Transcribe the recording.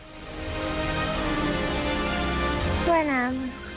กีฬาว่ายน้ำ